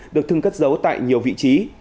được thưng cất giấu tại nhiều vị trí